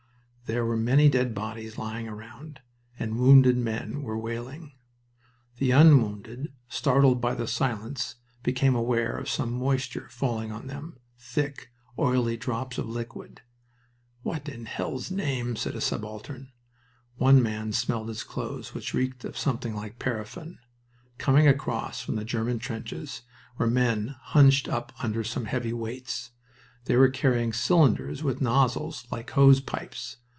There were many dead bodies lying around, and wounded men were wailing. The unwounded, startled by the silence, became aware of some moisture falling on them; thick, oily drops of liquid. "What in hell's name ?" said a subaltern. One man smelled his clothes, which reeked of something like paraffin. Coming across from the German trenches were men hunched up under some heavy weights. They were carrying cylinders with nozles like hose pipes.